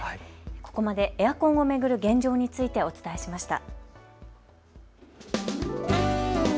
ここまでエアコンを巡る現状についてお伝えしました。